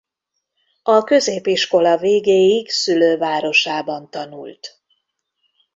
A középiskola végéig szülővárosában tanult.